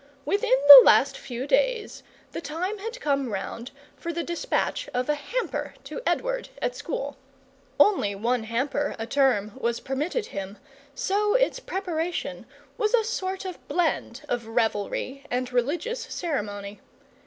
Within the last few days the time had come round for the despatch of a hamper to Edward at school. Only one hamper a term was permitted him, so its preparation was a sort of blend of revelry and religious ceremony.